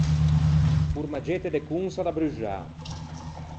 Formaggette de consa da bruxâ.